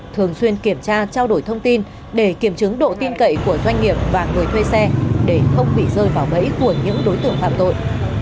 thường xuyên kiểm tra trao đổi thông tin để kiểm chứng độ tin cậy của doanh nghiệp và người thuê xe để không bị rơi vào bẫy của những đối tượng phạm tội